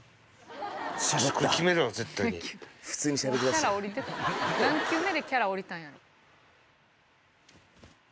もうキャラ降りてた何球目でキャラ降りたんやろ？